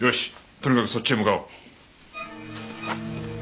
とにかくそっちへ向かおう。